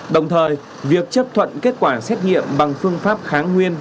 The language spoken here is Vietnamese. đồng thời việc chấp thuận kết quả xét nghiệm bằng phương pháp kháng nguyên